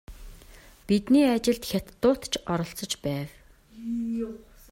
Бидний ажилд хятадууд ч оролцож байв.